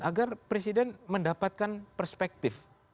agar presiden mendapatkan perspektif